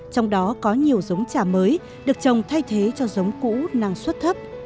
trong đó có nhiều giống trà mới được trồng thay thế cho giống cũ năng suất thấp